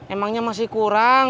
emangnya masih kurang